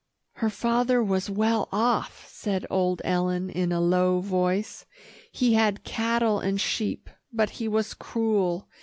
"Her father was well off," said old Ellen in a low voice. "He had cattle and sheep, but he was cruel.